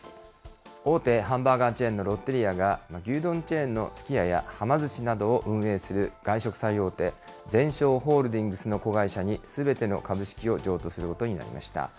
大手ハンバーガーチェーンのロッテリアが、牛丼チェーンのすき家やはま寿司などを運営する外食最大手、ゼンショーホールディングスの子会社にすべての株式を譲渡することになりました。